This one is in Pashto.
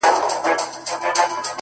تا به د سونډو په سرونو آله زار وتړی